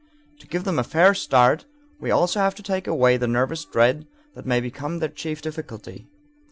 To give them a fair start we also have to take away the nervous dread that may become their chief difficulty.